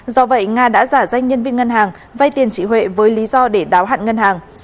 do vậy nga đã giả danh nhân viên ngân hàng vay tiền chị huệ với lý do để đáo hạn ngân hàng